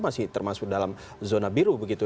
masih termasuk dalam zona biru begitu